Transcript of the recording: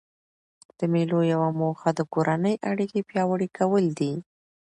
د مېلو یوه موخه د کورنۍ اړیکي پیاوړي کول دي.